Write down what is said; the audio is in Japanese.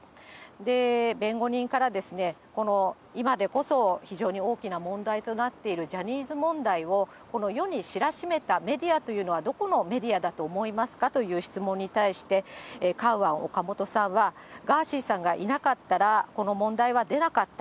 で、弁護人からですね、今でこそ非常に大きな問題となっているジャニーズ問題を、この世に知らしめたメディアというのは、どこのメディアだと思いますかという質問に対して、カウアン・オカモトさんは、ガーシーさんがいなかったら、この問題は出なかった。